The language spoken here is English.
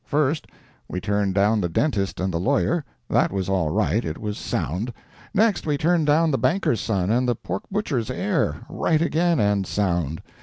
First, we turned down the dentist and the lawyer. That was all right it was sound. Next, we turned down the banker's son and the pork butcher's heir right again, and sound.